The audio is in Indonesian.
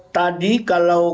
tadi kalau itu kan di